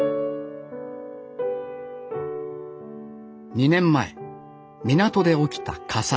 ２年前港で起きた火災。